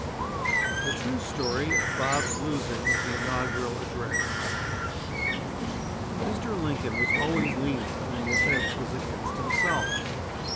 THE TRUE STORY OF BOB'S LOSING THE INAUGURAL ADDRESS Mr. Lincoln was always lenient when the offense was against himself.